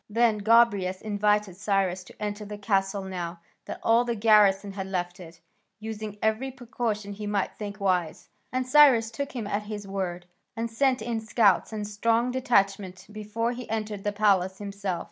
Then Gobryas invited Cyrus to enter the castle now that all the garrison had left it, using every precaution he might think wise; and Cyrus took him at his word, and sent in scouts and a strong detachment before he entered the palace himself.